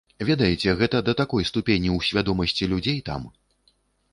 Ведаеце, гэта да такой ступені ў свядомасці людзей там.